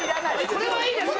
これはいいですって。